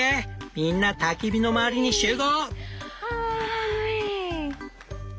みんなたき火の周りに集合！」。